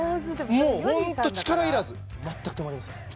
もうホント力要らず全く止まりません